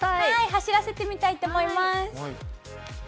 走らせてみたいと思います。